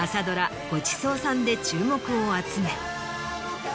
ドラ『ごちそうさん』で注目を集め